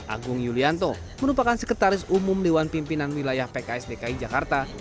agung yulianto merupakan sekretaris umum dewan pimpinan wilayah pks dki jakarta